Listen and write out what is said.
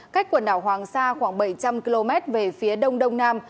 cách quần đảo hoàng sa khoảng bảy trăm linh km về phía đông đông nam